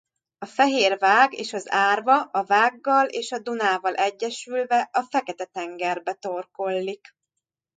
A Fehér-Vág és az Árva a Vággal és a Dunával egyesülve a Fekete-tengerbe torkollik.